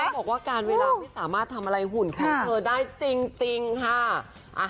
บอกว่าการเวลาไม่สามารถทำอะไรหุ่นของเธอได้จริงค่ะ